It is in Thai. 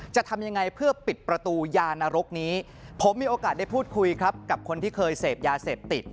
จะทำยังไงเพื่อปิดประตูยานรกนี้ผมมีโอกาสได้พูดคุยครับกับคนที่เคยเสพยาเสพติด